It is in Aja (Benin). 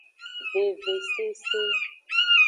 Vevesese.